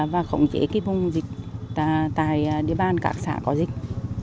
và khổng chế vùng dịch tại địa bàn các xã có dịch